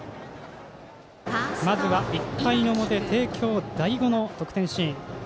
まずは１回の表帝京第五の得点シーン。